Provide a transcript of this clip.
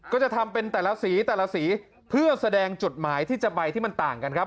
ก็จะทำเป็นแต่ละสีแต่ละสีเพื่อแสดงจุดหมายที่จะใบที่มันต่างกันครับ